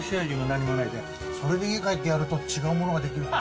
それで家帰ってやると、違うものができる。